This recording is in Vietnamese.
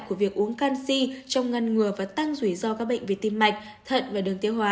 của việc uống canxi trong ngăn ngừa và tăng rủi ro các bệnh về tim mạch thận và đường tiêu hóa